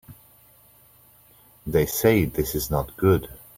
They say this is not good.